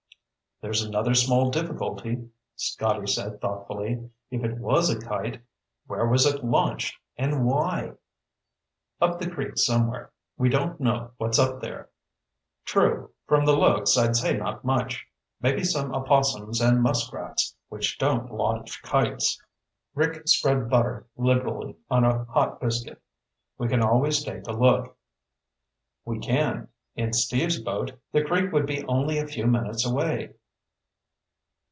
"There's another small difficulty," Scotty said thoughtfully. "If it was a kite, where was it launched and why?" "Up the creek somewhere. We don't know what's up there." "True. From the looks, I'd say not much. Maybe some opossums and muskrats, which don't launch kites." Rick spread butter liberally on a hot biscuit. "We can always take a look." "We can. In Steve's boat, the creek would be only a few minutes away."